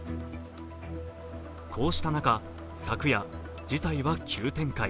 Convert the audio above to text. こうした中、昨夜、事態は急展開。